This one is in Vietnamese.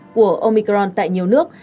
của omicron tại nhiều nước